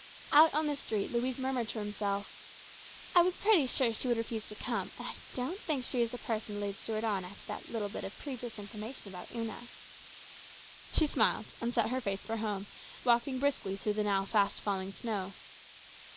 Out in the street Louise murmured to herself: " I was pretty sure she would refuse to come ; and I don't think she is the person to lead Stuart on after that little bit of previous information about Una." She smiled and set her face for home, walking briskly through the now fast falling snow.